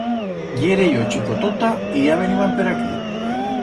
Yere yo chicotota y ya veniban per aquí.